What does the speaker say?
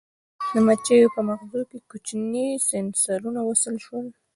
د مچیو په مغزو کې کوچني سېنسرونه وصل شول.